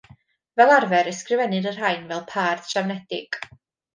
Fel arfer, ysgrifennir y rhain fel pâr trefnedig.